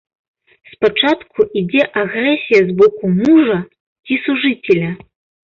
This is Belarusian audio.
Спачатку ідзе агрэсія з боку мужа ці сужыцеля.